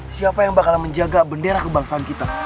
siapa yang bakalan menjaga bendera kebangsaan kita